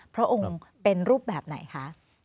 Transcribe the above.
พระองค์เป็นรูปแบบไหนคะ